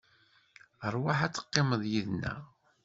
Rwaḥ ad teqqimeḍ yid-neɣ.